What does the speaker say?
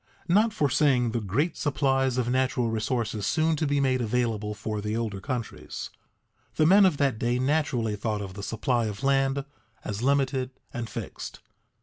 _ Not foreseeing the great supplies of natural resources soon to be made available for the older countries, the men of that day naturally thought of the supply of land as limited and fixed.